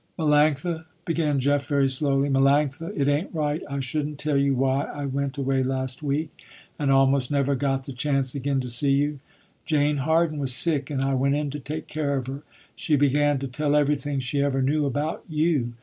"Melanctha," began Jeff, very slowly, "Melanctha, it ain't right I shouldn't tell you why I went away last week and almost never got the chance again to see you. Jane Harden was sick, and I went in to take care of her. She began to tell everything she ever knew about you.